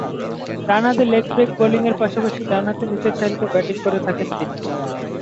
ডানহাতে leg break বোলিংয়ের পাশাপাশি ডানহাতে নিচেরসারিতে ব্যাটিং করে থাকেন তিনি।